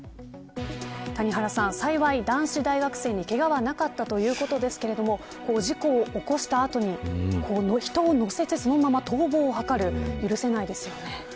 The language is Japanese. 谷原さん、幸い男子大学生にけがはなかったということですけれども事故を起こした後に人を乗せてそのまま逃亡を図る許せないですよね。